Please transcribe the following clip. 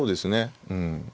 うん。